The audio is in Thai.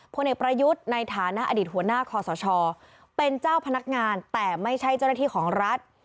พลเอกประยุทธ์ในฐานะอดีตหัวหน้าคอสชเป็นเจ้าพนักงานแต่ไม่ใช่เจ้าหน้าที่ของรัฐ